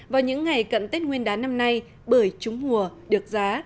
vào những ngày cận tết nguyên đán năm nay bưởi trúng mùa được giá